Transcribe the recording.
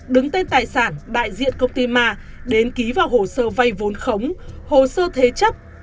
đứng tên tài sản đại diện công ty ma đến ký vào hồ sơ vay vốn khống hồ sơ thế chấp